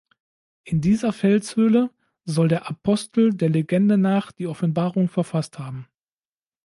In dieser Felshöhle soll der Apostel der Legende nach die Offenbarung verfasst haben.